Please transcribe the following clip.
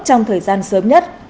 trong thời gian sớm nhất